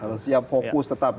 harus siap fokus tetap ya